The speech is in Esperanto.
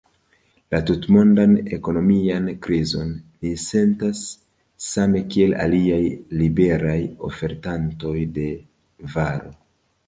La tutmondan ekonomian krizon ni sentas same kiel aliaj liberaj ofertantoj de varo.